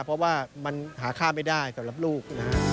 เพราะว่ามันหาค่าไม่ได้สำหรับลูก